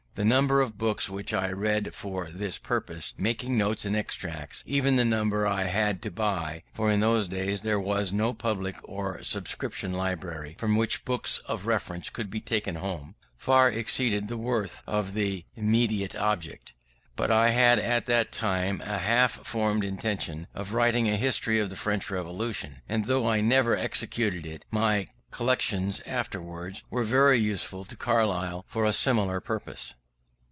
The number of books which I read for this purpose, making notes and extracts even the number I had to buy (for in those days there was no public or subscription library from which books of reference could be taken home) far exceeded the worth of the immediate object; but I had at that time a half formed intention of writing a History of the French Revolution; and though I never executed it, my collections afterwards were very useful to Carlyle for a similar purpose.